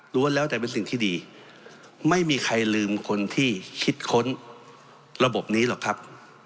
แล้วแต่เป็นสิ่งที่ดีไม่มีใครลืมคนที่คิดค้นระบบนี้หรอกครับ